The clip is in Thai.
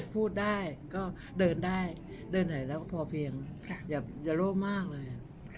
พูดได้ก็เดินได้เดินไหนแล้วก็พอเพียงอย่าโลภมากเลย